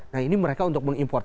nah ini mereka untuk mengimport